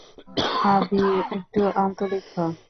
আভি, একটু আন্তরিক হ্!